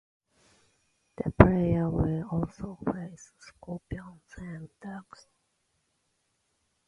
The player will also face scorpions, and dogs.